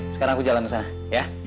sekarang aku jalan ke sana ya